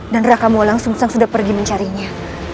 dan raka mula langsung langsung sudah pergi mencarinya